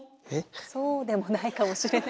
そうでもないかもしれない。